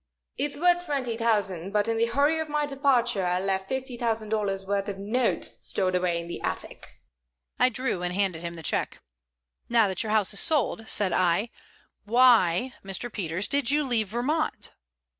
"It's worth twenty thousand, but in the hurry of my departure I left fifty thousand dollars' worth of notes stored away in the attic." I drew and handed him the check. "Now that your house is sold," said I, "why, Mr. Peters, did you leave Vermont?"